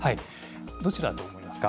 どちらだと思いますか。